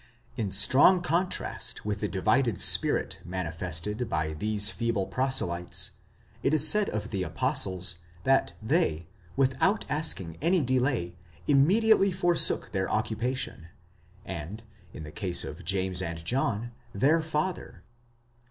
In strong contrast with the divided spirit manifested by these feeble proselytes, it is said of the apostles, that they, without asking any delay, immediately forsook their occupation, and, in the case of James and John, their father.